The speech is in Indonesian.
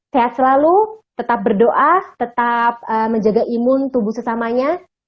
sehat selalu tetap berdoa tetap menjaga imun tubuh sesamanya